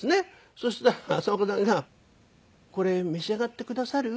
そしたら浅丘さんが「これ召し上がってくださる？